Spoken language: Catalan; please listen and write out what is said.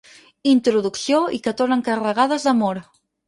Introducció i que tornen carregades d'amor.